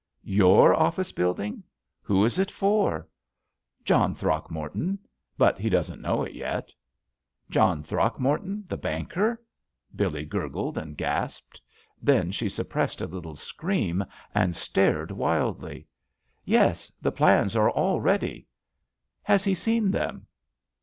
'^Your office building ! Who is it for?" "John Throckmorton. But he doesn't know it yet." "John Throckmorton, the banker?" Billee gurgled and gasped. Then she suppressed a little scream and stared wildly. "Yes, the plans are all ready." "Has he seen them."